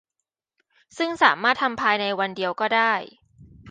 ซึ่งสามารถทำภายในวันเดียวก็ได้